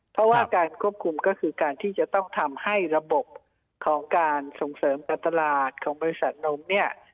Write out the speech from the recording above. เพราะว่าการควบคุมก็คือการที่จะต้องทำให้ระบบของการส่งเสริมการตลาดของบริษัทนมเนี่ย